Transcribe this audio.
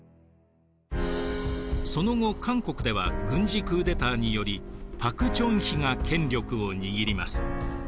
その後韓国では軍事クーデターにより朴正煕が権力を握ります。